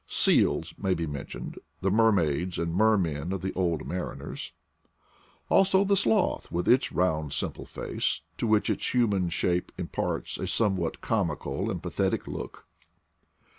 Seals may be mentioned — the mer maids and mermen of the old mariners; also the sloth with its round simple face, to which its hu man shape imparts a somewhat comical and pa thetic look.